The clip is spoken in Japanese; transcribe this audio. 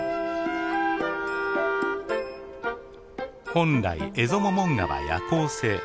本来エゾモモンガは夜行性。